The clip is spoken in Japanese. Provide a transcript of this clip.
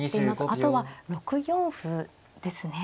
あとは６四歩ですね。